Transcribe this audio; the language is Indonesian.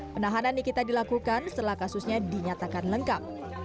penahanan nikita dilakukan setelah kasusnya dinyatakan lengkap